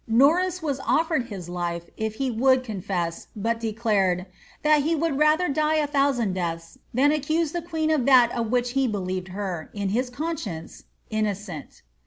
Nor ris was offered his life if he would confess, but declared '' that he would rather die a thousand deaths than accuse the queen of that of which he beliered her, in his conscience, innocent."